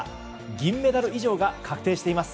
銀メダル以上が確定しています。